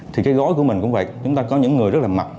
thì cái gối của mình cũng vậy chúng ta có những người rất là mặt